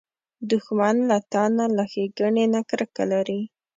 دښمن له تا نه، له ښېګڼې نه کرکه لري